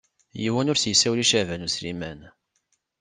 Yiwen ur s-yessawel i Caɛban U Sliman.